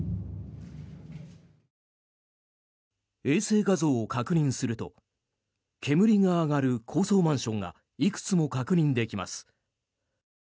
衛星画像を確認すると煙が上がる高層マンションがいくつも確認できます。